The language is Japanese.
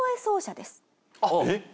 えっ！？